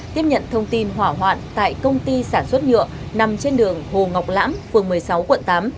tiếp nhận thông tin hỏa hoạn tại công ty sản xuất nhựa nằm trên đường hồ ngọc lãm phường một mươi sáu quận tám